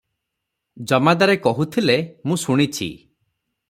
ଜମାଦାରେ କହୁଥିଲେ ମୁଁ ଶୁଣିଛି ।